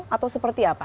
atau seperti apa